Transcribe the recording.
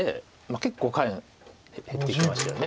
結構下辺減ってきましたよね。